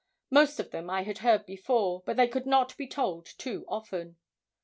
Most of them I had heard before; but they could not be told too often.